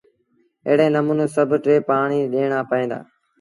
ايڙي نموٚني سڀ ٽي پآڻيٚ ڏيڻآݩ پئيٚن دآ۔